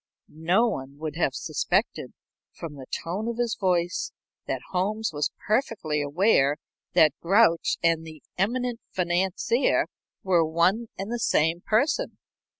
No one would have suspected, from the tone of his voice, that Holmes was perfectly aware that Grouch and the eminent financier were one and the same person.